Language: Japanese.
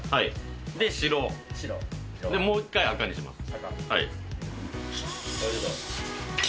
白、もう１回赤にします。